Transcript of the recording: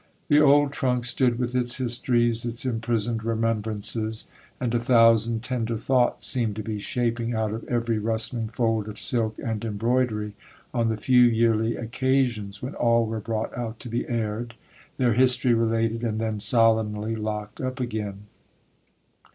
The old trunk stood with its histories, its imprisoned remembrances,—and a thousand tender thoughts seemed to be shaping out of every rustling fold of silk and embroidery, on the few yearly occasions when all were brought out to be aired, their history related, and then solemnly locked up again.